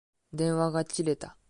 電話が切れた。